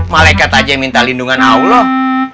malaikat aja yang minta lindungan allah